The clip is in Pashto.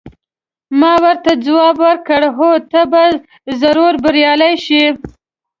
ما ورته ځواب ورکړ: هو، ته به ضرور بریالۍ شې.